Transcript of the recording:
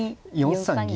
４三銀。